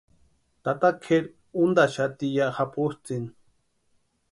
Tata kʼeri úntaxati ya japutsʼïni.